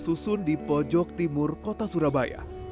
susun di pojok timur kota surabaya